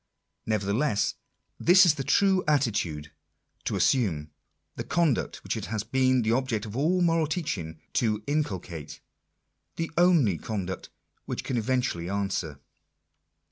Nevertheless, this is the true attitude to assume : the conduct which it has been the object of all moral teaching to inculcate; the only conduct which can eventually answer a